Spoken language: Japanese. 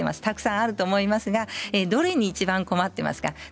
たくさんあると思いますけれどもどれにいちばん困っていますか？